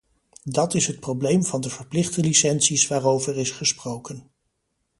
Dat is het probleem van de verplichte licenties waarover is gesproken.